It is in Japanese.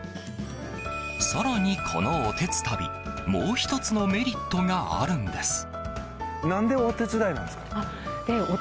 更に、このおてつたびもう１つのメリットがあるんです。